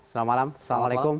selamat malam assalamualaikum